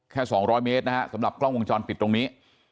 ๒๐๐เมตรนะฮะสำหรับกล้องวงจรปิดตรงนี้